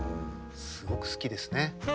すごく好きですね。